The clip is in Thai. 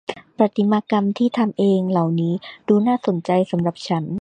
ประติมากรรมที่ทำเองเหล่านี้ดูน่าสนใจสำหรับฉัน